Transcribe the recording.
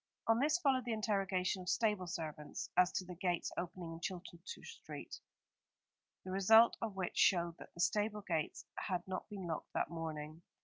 On this followed the interrogation of stable servants, as to the gates opening into Chilton Street, the result of which showed that the stable gates had not been locked that morning.